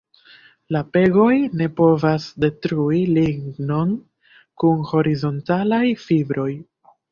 La pegoj ne povas detrui lignon kun horizontalaj fibroj.